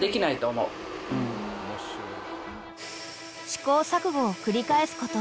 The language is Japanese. ［試行錯誤を繰り返すこと］